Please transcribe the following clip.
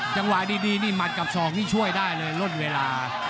จังหวะดีนี่หมัดกับศอกนี่ช่วยได้เลยล่นเวลา